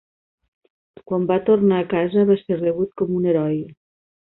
Quan va tornar a casa, va ser rebut com un heroi.